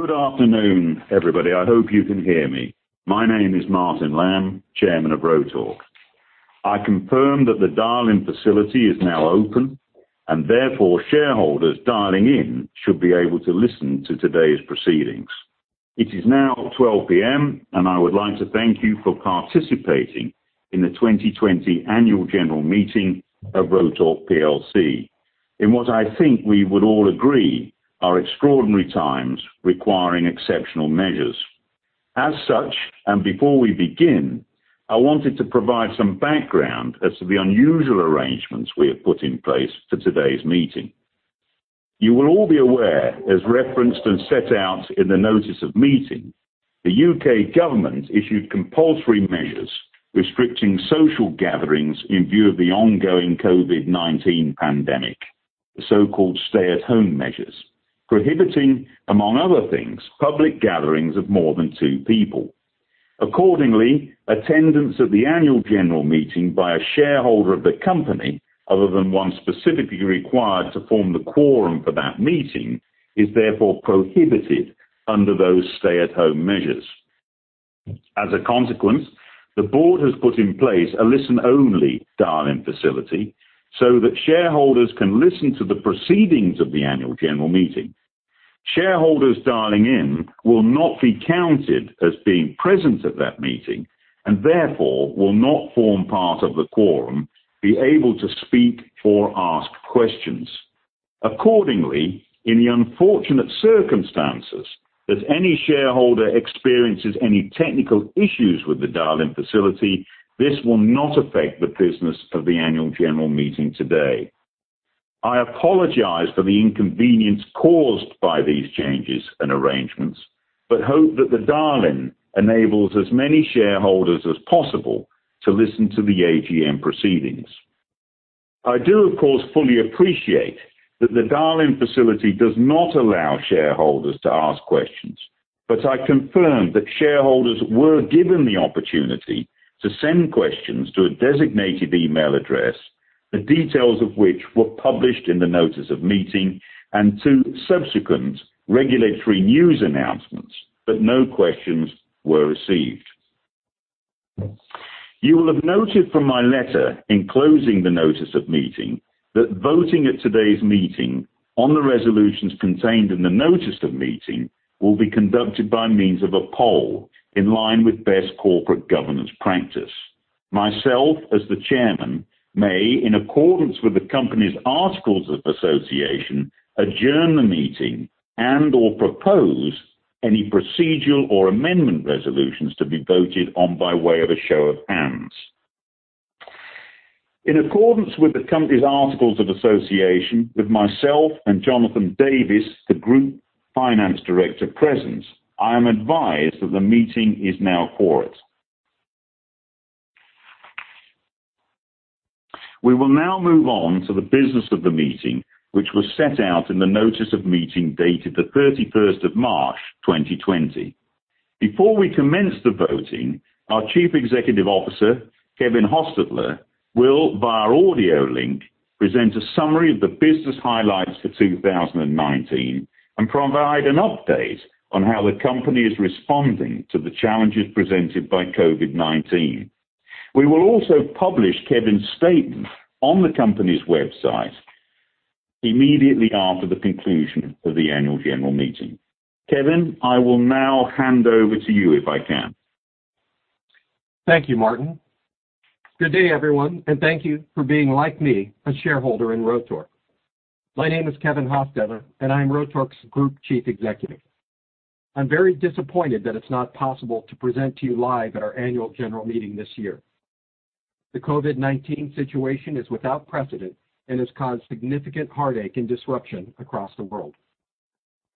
Good afternoon, everybody. I hope you can hear me. My name is Martin Lamb, Chairman of Rotork. I confirm that the dial-in facility is now open, and therefore shareholders dialing in should be able to listen to today's proceedings. It is now 12:00 P.M., and I would like to thank you for participating in the 2020 Annual General Meeting of Rotork plc. In what I think we would all agree are extraordinary times requiring exceptional measures. As such, and before we begin, I wanted to provide some background as to the unusual arrangements we have put in place for today's meeting. You will all be aware, as referenced and set out in the notice of meeting, the U.K. government issued compulsory measures restricting social gatherings in view of the ongoing COVID-19 pandemic. The so-called stay-at-home measures, prohibiting, among other things, public gatherings of more than two people. Accordingly, attendance at the annual general meeting by a shareholder of the company, other than one specifically required to form the quorum for that meeting, is therefore prohibited under those stay-at-home measures. As a consequence, the board has put in place a listen-only dial-in facility so that shareholders can listen to the proceedings of the annual general meeting. Shareholders dialing in will not be counted as being present at that meeting, and therefore will not form part of the quorum, be able to speak or ask questions. Accordingly, in the unfortunate circumstances that any shareholder experiences any technical issues with the dial-in facility, this will not affect the business of the annual general meeting today. I apologize for the inconvenience caused by these changes and arrangements, but hope that the dial-in enables as many shareholders as possible to listen to the AGM proceedings. I do, of course, fully appreciate that the dial-in facility does not allow shareholders to ask questions, but I confirm that shareholders were given the opportunity to send questions to a designated email address, the details of which were published in the notice of meeting and two subsequent regulatory news announcements, but no questions were received. You will have noted from my letter enclosing the notice of meeting that voting at today's meeting on the Resolutions contained in the notice of meeting will be conducted by means of a poll in line with best corporate governance practice. Myself, as the chairman, may, in accordance with the company's articles of association, adjourn the meeting and/or propose any procedural or amendment Resolutions to be voted on by way of a show of hands. In accordance with the company's articles of association, with myself and Jonathan Davis, the Group Finance Director present, I am advised that the meeting is now quorate. We will now move on to the business of the meeting, which was set out in the notice of meeting dated the 31st of March 2020. Before we commence the voting, our Chief Executive Officer, Kevin Hostetler, will, via audio link, present a summary of the business highlights for 2019 and provide an update on how the company is responding to the challenges presented by COVID-19. We will also publish Kevin's statement on the company's website immediately after the conclusion of the annual general meeting. Kevin, I will now hand over to you, if I can. Thank you, Martin. Good day, everyone, and thank you for being, like me, a shareholder in Rotork. My name is Kevin Hostetler, and I'm Rotork's Group Chief Executive. I'm very disappointed that it's not possible to present to you live at our annual general meeting this year. The COVID-19 situation is without precedent and has caused significant heartache and disruption across the world.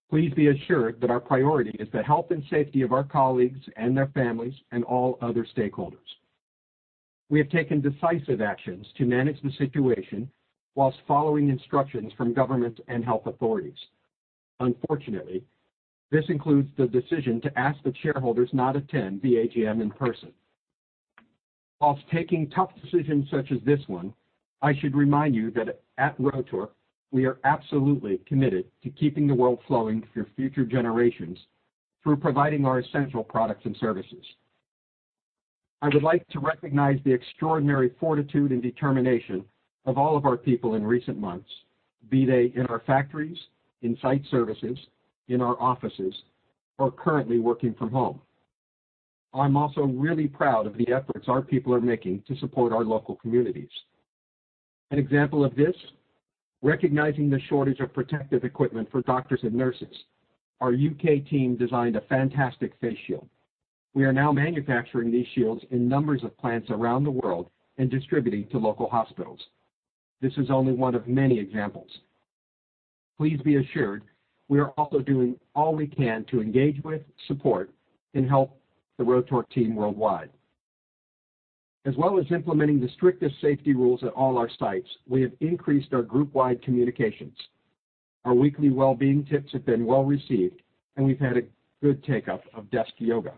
Please be assured that our priority is the health and safety of our colleagues and their families and all other stakeholders. We have taken decisive actions to manage the situation whilst following instructions from government and health authorities. Unfortunately, this includes the decision to ask that shareholders not attend the AGM in person. Whilst taking tough decisions such as this one, I should remind you that at Rotork, we are absolutely committed to keeping the world flowing for future generations through providing our essential products and services. I would like to recognize the extraordinary fortitude and determination of all of our people in recent months, be they in our factories, in site services, in our offices, or currently working from home. I'm also really proud of the efforts our people are making to support our local communities. An example of this, recognizing the shortage of protective equipment for doctors and nurses, our U.K. team designed a fantastic face shield. We are now manufacturing these shields in numbers of plants around the world and distributing to local hospitals. This is only one of many examples. Please be assured, we are also doing all we can to engage with, support, and help the Rotork team worldwide. As well as implementing the strictest safety rules at all our sites, we have increased our group-wide communications. Our weekly well-being tips have been well-received, and we've had a good take-up of desk yoga.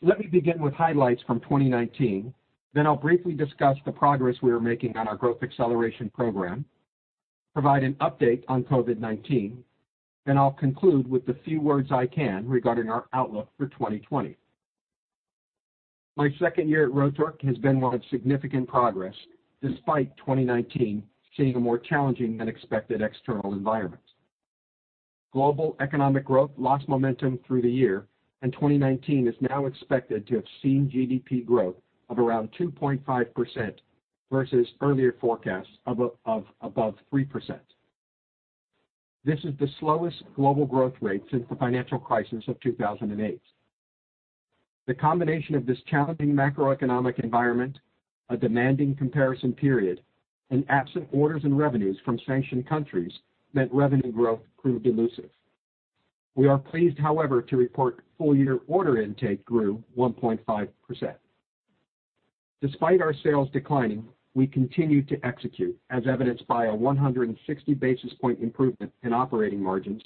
Let me begin with highlights from 2019, then I'll briefly discuss the progress we are making on our growth acceleration program, provide an update on COVID-19, then I'll conclude with the few words I can regarding our outlook for 2020. My second year at Rotork has been one of significant progress, despite 2019 seeing a more challenging than expected external environment. Global economic growth lost momentum through the year, and 2019 is now expected to have seen GDP growth of around 2.5% versus earlier forecasts of above 3%. This is the slowest global growth rate since the financial crisis of 2008. The combination of this challenging macroeconomic environment, a demanding comparison period, and absent orders and revenues from sanctioned countries, meant revenue growth proved elusive. We are pleased, however, to report full year order intake grew 1.5%. Despite our sales declining, we continued to execute, as evidenced by a 160 basis point improvement in operating margins,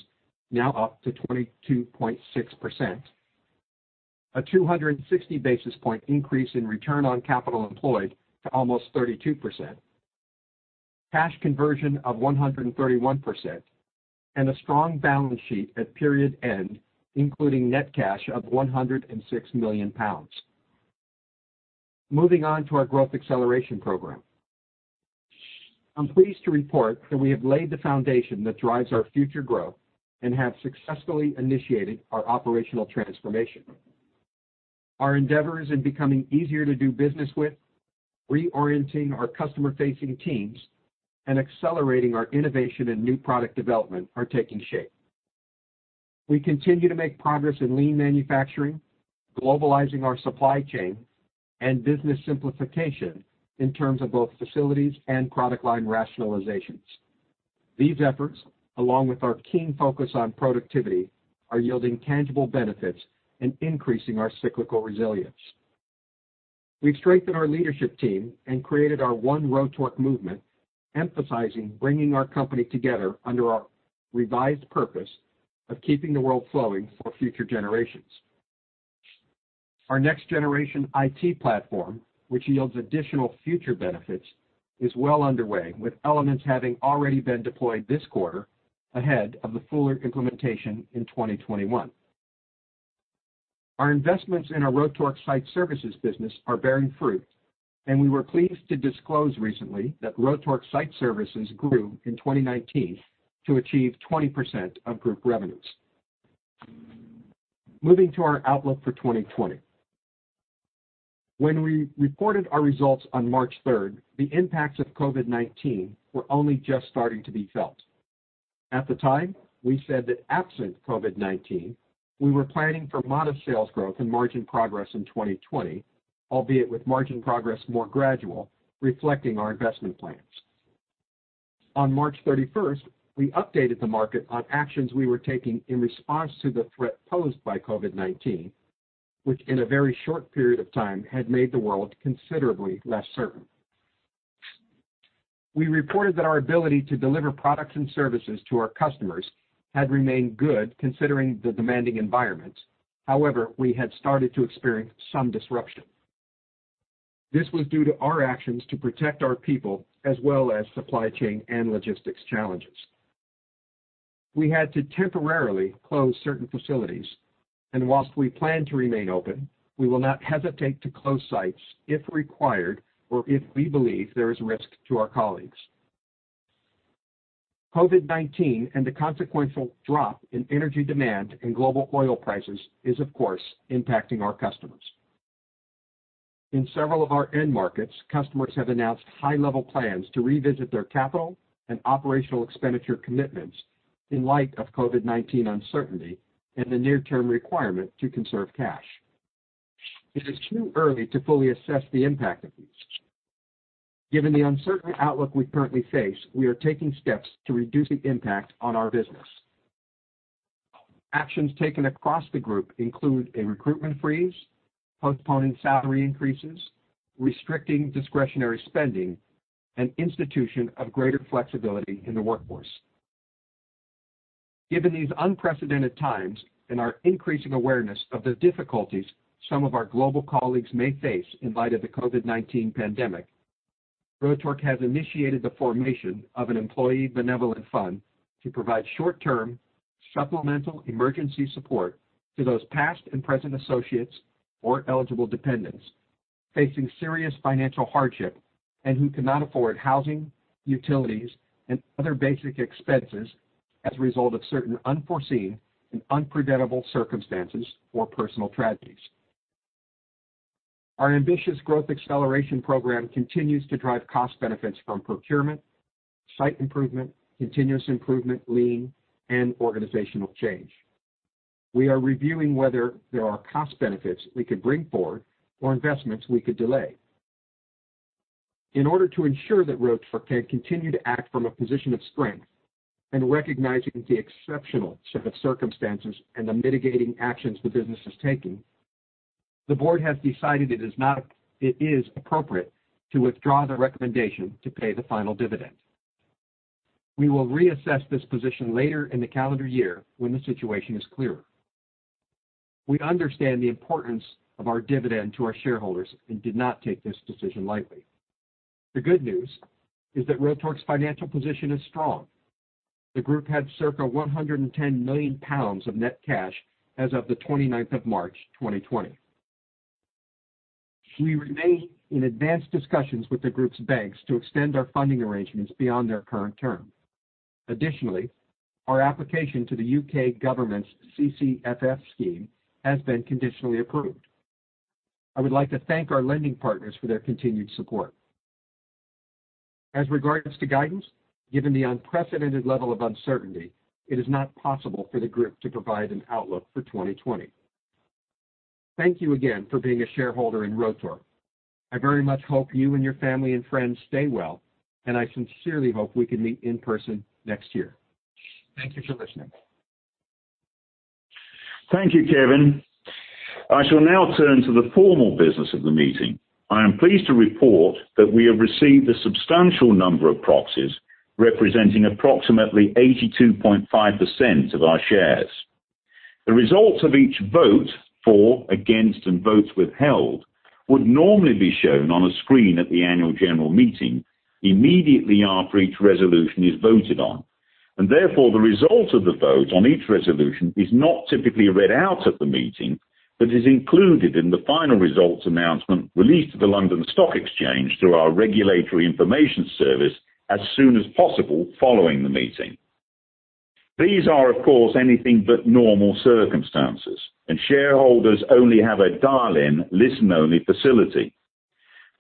now up to 22.6%, a 260 basis point increase in return on capital employed to almost 32%, cash conversion of 131%, and a strong balance sheet at period end, including net cash of 106 million pounds. Moving on to our growth acceleration program. I'm pleased to report that we have laid the foundation that drives our future growth and have successfully initiated our operational transformation. Our endeavors in becoming easier to do business with, reorienting our customer-facing teams, and accelerating our innovation and new product development are taking shape. We continue to make progress in lean manufacturing, globalizing our supply chain, and business simplification in terms of both facilities and product line rationalizations. These efforts, along with our keen focus on productivity, are yielding tangible benefits and increasing our cyclical resilience. We've strengthened our leadership team and created our One Rotork movement, emphasizing bringing our company together under our revised purpose of keeping the world flowing for future generations. Our next generation IT platform, which yields additional future benefits, is well underway, with elements having already been deployed this quarter, ahead of the fuller implementation in 2021. Our investments in our Rotork Site Services business are bearing fruit, and we were pleased to disclose recently that Rotork Site Services grew in 2019 to achieve 20% of group revenues. Moving to our outlook for 2020. When we reported our results on March 3rd, the impacts of COVID-19 were only just starting to be felt. At the time, we said that absent COVID-19, we were planning for modest sales growth and margin progress in 2020, albeit with margin progress more gradual, reflecting our investment plans. On March 31st, we updated the market on actions we were taking in response to the threat posed by COVID-19, which in a very short period of time had made the world considerably less certain. We reported that our ability to deliver products and services to our customers had remained good considering the demanding environment. However, we had started to experience some disruption. This was due to our actions to protect our people as well as supply chain and logistics challenges. We had to temporarily close certain facilities, and whilst we plan to remain open, we will not hesitate to close sites if required or if we believe there is risk to our colleagues. COVID-19 and the consequential drop in energy demand and global oil prices is, of course, impacting our customers. In several of our end markets, customers have announced high-level plans to revisit their capital and operational expenditure commitments in light of COVID-19 uncertainty and the near-term requirement to conserve cash. It is too early to fully assess the impact of these. Given the uncertain outlook we currently face, we are taking steps to reduce the impact on our business. Actions taken across the group include a recruitment freeze, postponing salary increases, restricting discretionary spending, and institution of greater flexibility in the workforce. Given these unprecedented times and our increasing awareness of the difficulties some of our global colleagues may face in light of the COVID-19 pandemic, Rotork has initiated the formation of an employee benevolent fund to provide short-term, supplemental emergency support to those past and present associates or eligible dependents facing serious financial hardship and who cannot afford housing, utilities, and other basic expenses as a result of certain unforeseen and unpreventable circumstances or personal tragedies. Our ambitious Growth Acceleration Program continues to drive cost benefits from procurement, site improvement, continuous improvement, lean, and organizational change. We are reviewing whether there are cost benefits we could bring forward or investments we could delay. In order to ensure that Rotork can continue to act from a position of strength and recognizing the exceptional set of circumstances and the mitigating actions the business is taking, the board has decided it is appropriate to withdraw the recommendation to pay the final dividend. We will reassess this position later in the calendar year when the situation is clearer. We understand the importance of our dividend to our shareholders and did not take this decision lightly. The good news is that Rotork's financial position is strong. The group had circa 110 million pounds of net cash as of the 29th of March 2020. We remain in advanced discussions with the group's banks to extend our funding arrangements beyond their current term. Additionally, our application to the U.K. government's CCFF scheme has been conditionally approved. I would like to thank our lending partners for their continued support. As regards to guidance, given the unprecedented level of uncertainty, it is not possible for the group to provide an outlook for 2020. Thank you again for being a shareholder in Rotork. I very much hope you and your family and friends stay well. I sincerely hope we can meet in person next year. Thank you for listening. Thank you, Kevin. I shall now turn to the formal business of the meeting. I am pleased to report that we have received a substantial number of proxies representing approximately 82.5% of our shares. The results of each vote, for, against, and votes withheld would normally be shown on a screen at the annual general meeting immediately after each Resolution is voted on. Therefore, the result of the vote on each Resolution is not typically read out at the meeting, but is included in the final results announcement released to the London Stock Exchange through our regulatory information service as soon as possible following the meeting. These are, of course, anything but normal circumstances. Shareholders only have a dial-in listen-only facility.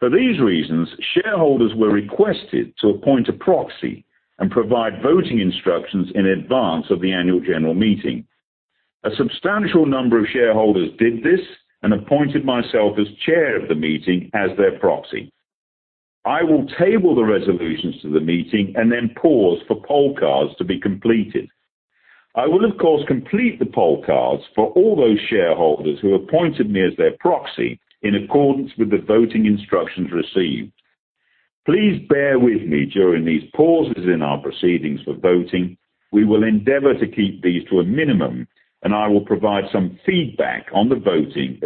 For these reasons, shareholders were requested to appoint a proxy and provide voting instructions in advance of the annual general meeting. A substantial number of shareholders did this and appointed myself as chair of the meeting as their proxy. I will table the Resolutions to the meeting and then pause for poll cards to be completed. I will, of course, complete the poll cards for all those shareholders who appointed me as their proxy in accordance with the voting instructions received. Please bear with me during these pauses in our proceedings for voting. We will endeavor to keep these to a minimum, and I will provide some feedback on the voting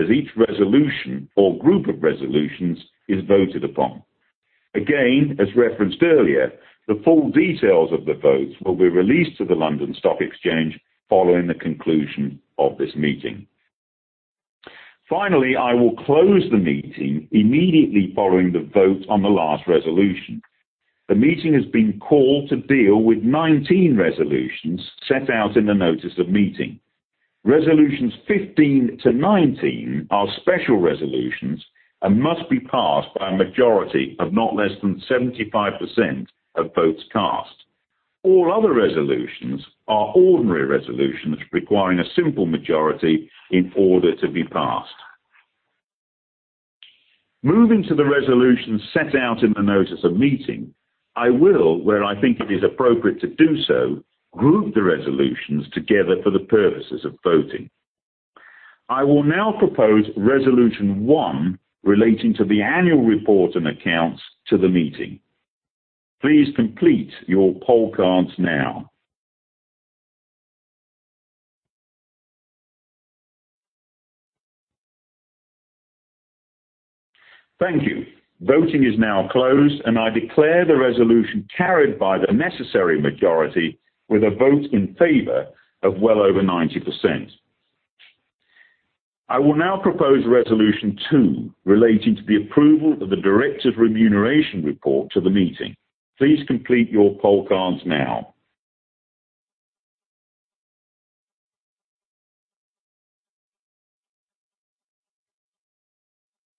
as each Resolution or group of Resolutions is voted upon. As referenced earlier, the full details of the votes will be released to the London Stock Exchange following the conclusion of this meeting. Finally, I will close the meeting immediately following the vote on the last Resolution. The meeting has been called to deal with 19 Resolutions set out in the notice of meeting. Resolutions 15 to 19 are special Resolutions and must be passed by a majority of not less than 75% of votes cast. All other Resolutions are ordinary Resolutions requiring a simple majority in order to be passed. Moving to the Resolutions set out in the notice of meeting, I will, where I think it is appropriate to do so, group the Resolutions together for the purposes of voting. I will now propose Resolution one relating to the annual report and accounts to the meeting. Please complete your poll cards now. Thank you. Voting is now closed, and I declare the Resolution carried by the necessary majority with a vote in favor of well over 90%. I will now propose Resolution two relating to the approval of the directors' remuneration report to the meeting. Please complete your poll cards now.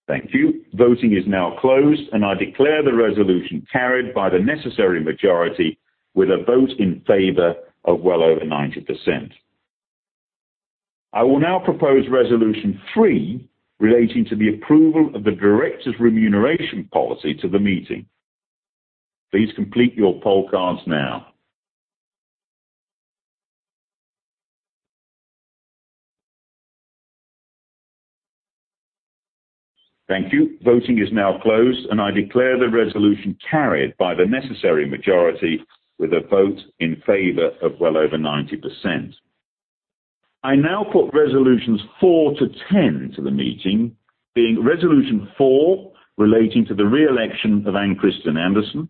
Thank you. Voting is now closed, and I declare the Resolution carried by the necessary majority with a vote in favor of well over 90%. I will now propose Resolution three relating to the approval of the directors' remuneration policy to the meeting. Please complete your poll cards now. Thank you. Voting is now closed, and I declare the Resolution carried by the necessary majority with a vote in favor of well over 90%. I now put Resolutions 10 to the meeting being Resolution four relating to the re-election of Ann Christin Andersen,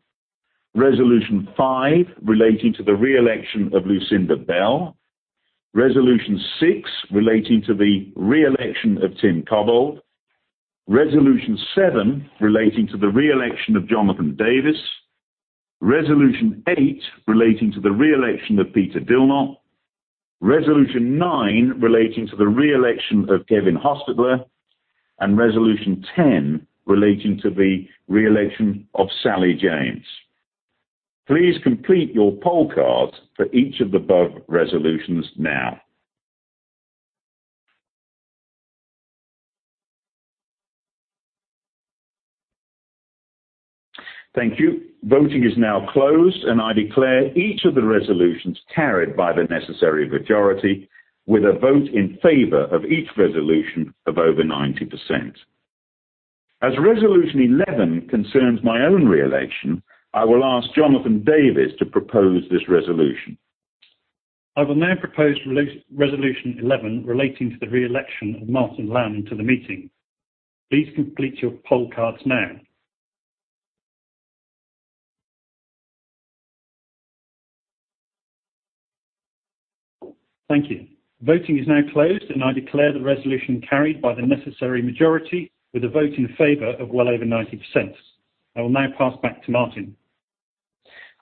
Resolution five relating to the re-election of Lucinda Bell, Resolution six relating to the re-election of Tim Cobbold, Resolution seven relating to the re-election of Jonathan Davis, Resolution eight relating to the re-election of Peter Dilnot, Resolution nine relating to the re-election of Kevin Hostetler, and Resolution 10 relating to the re-election of Sally James. Please complete your poll cards for each of the above Resolutions now. Thank you. Voting is now closed, I declare each of the Resolutions carried by the necessary majority with a vote in favor of each Resolution of over 90%. As Resolution 11 concerns my own re-election, I will ask Jonathan Davis to propose this Resolution. I will now propose Resolution 11 relating to the re-election of Martin Lamb to the meeting. Please complete your poll cards now. Thank you. Voting is now closed, and I declare the Resolution carried by the necessary majority with a vote in favor of well over 90%. I will now pass back to Martin.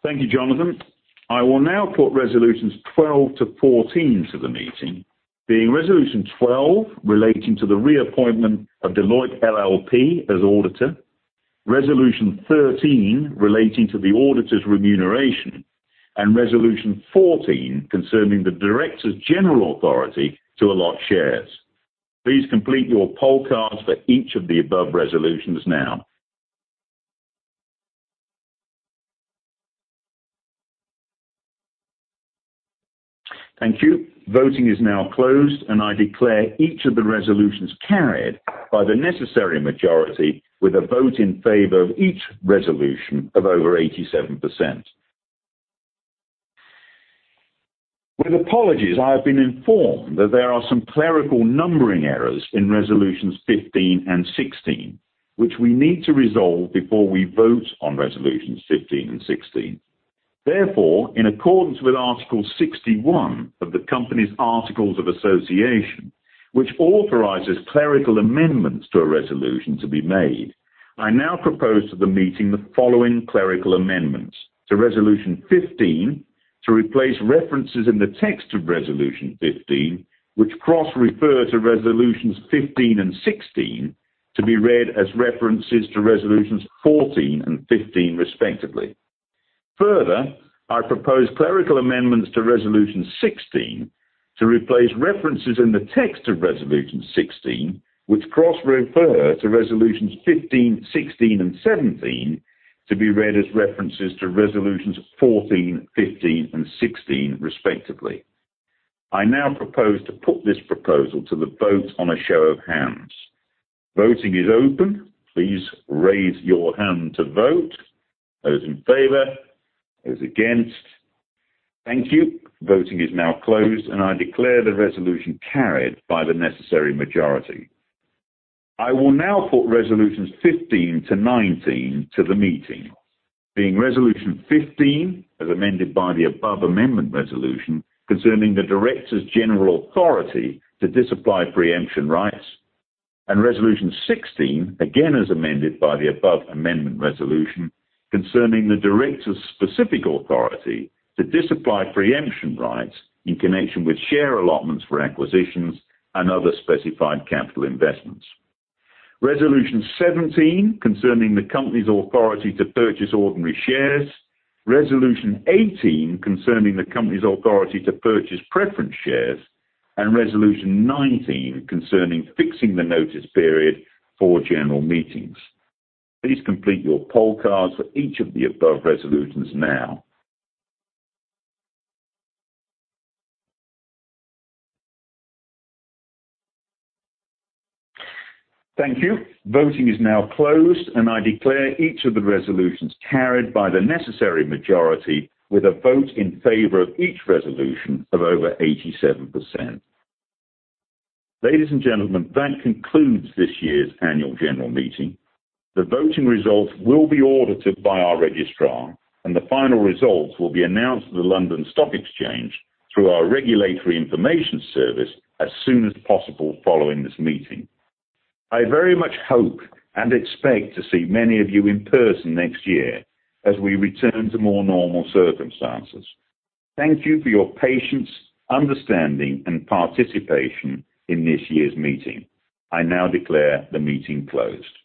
Thank you, Jonathan. I will now put Resolutions 12 to 14 to the meeting, being Resolution 12 relating to the reappointment of Deloitte LLP as auditor, Resolution 13 relating to the auditor's remuneration, and Resolution 14 concerning the directors' general authority to allot shares. Please complete your poll cards for each of the above Resolutions now. Thank you. Voting is now closed. I declare each of the Resolutions carried by the necessary majority with a vote in favor of each Resolution of over 87%. With apologies, I have been informed that there are some clerical numbering errors in Resolutions 15 and 16, which we need to resolve before we vote on Resolutions 15 and 16. Therefore, in accordance with Article 61 of the company's articles of association, which authorizes clerical amendments to a Resolution to be made, I now propose to the meeting the following clerical amendments to Resolution 15 to replace references in the text of Resolution 15, which cross-refer to Resolutions 15 and 16 to be read as references to Resolutions 14 and 15, respectively. Further, I propose clerical amendments to Resolution 16 to replace references in the text of Resolution 16, which cross-refer to Resolutions 15, 16, and 17 to be read as references to Resolutions 14, 15, and 16, respectively. I now propose to put this proposal to the vote on a show of hands. Voting is open. Please raise your hand to vote. Those in favor? Those against? Thank you. Voting is now closed, and I declare the Resolution carried by the necessary majority. I will now put Resolutions 15 to 19 to the meeting, being Resolution 15, as amended by the above amendment Resolution, concerning the directors' general authority to disapply pre-emption rights, and Resolution 16, again, as amended by the above amendment Resolution, concerning the directors' specific authority to disapply pre-emption rights in connection with share allotments for acquisitions and other specified capital investments. Resolution 17 concerning the company's authority to purchase ordinary shares, Resolution 18 concerning the company's authority to purchase preference shares, and Resolution 19 concerning fixing the notice period for general meetings. Please complete your poll cards for each of the above Resolutions now. Thank you. Voting is now closed, and I declare each of the Resolutions carried by the necessary majority with a vote in favor of each Resolution of over 87%. Ladies and gentlemen, that concludes this year's annual general meeting. The voting results will be audited by our registrar, and the final results will be announced at the London Stock Exchange through our Regulatory Information Service as soon as possible following this meeting. I very much hope and expect to see many of you in person next year as we return to more normal circumstances. Thank you for your patience, understanding, and participation in this year's meeting. I now declare the meeting closed.